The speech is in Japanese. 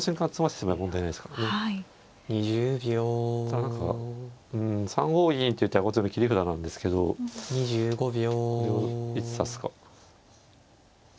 ただ何か３五銀っていう手は後手の切り札なんですけどこれをいつ指すか。